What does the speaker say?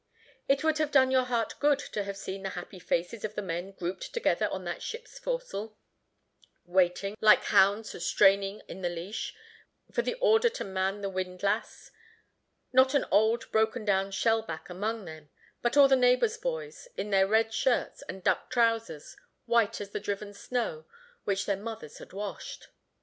It would have done your heart good to have seen the happy faces of the men grouped together on that ship's forecastle, waiting, like hounds straining in the leash, for the order to man the windlass; not an old broken down shellback among them, but all the neighbors' boys, in their red shirts, and duck trousers white as the driven snow, which their mothers had washed.